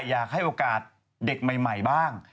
อยากให้โอกาสเด็กใหม่บ้าง